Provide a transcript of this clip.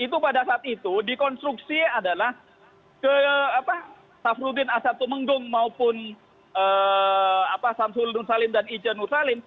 itu pada saat itu dikonstruksi adalah safruddin ansat menggong maupun samsul nusalin dan ijen nusalin